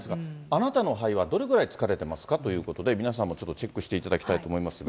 あなたの肺はどれぐらい疲れてますかということで、皆さんもちょっとチェックしていただきたいと思いますが。